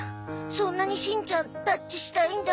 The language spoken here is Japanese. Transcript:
そんなにしんちゃんタッチしたいんだ。